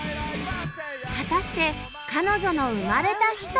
果たして彼女の生まれた日とは？